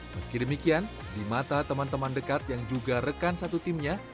meski demikian di mata teman teman dekat yang juga rekan satu timnya